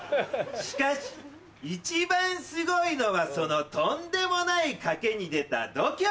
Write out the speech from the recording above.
しかし一番すごいのはそのとんでもない賭けに出た度胸！